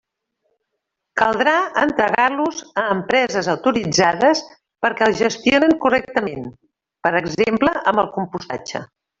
Caldrà entregar-los a empreses autoritzades perquè els gestionen correctament, per exemple amb el compostatge.